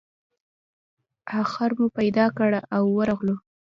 آخر مو پیدا کړ او ورغلو.